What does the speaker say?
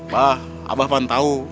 bah abah pun tahu